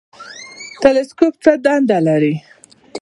تلسکوپ څه دنده لري؟